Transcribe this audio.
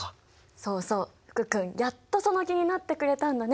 そうそう福君やっとその気になってくれたんだね。